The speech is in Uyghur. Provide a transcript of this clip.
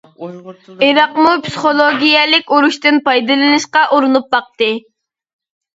ئىراقمۇ پىسخولوگىيەلىك ئۇرۇشتىن پايدىلىنىشقا ئۇرۇنۇپ باقتى.